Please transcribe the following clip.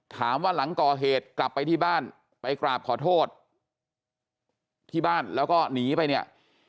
หลังก่อเหตุกลับไปที่บ้านไปกราบขอโทษที่บ้านแล้วก็หนีไปเนี่ย